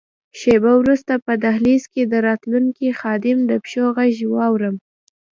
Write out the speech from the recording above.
شیبه وروسته په دهلېز کې د راتلونکي خادم د پښو ږغ واورم.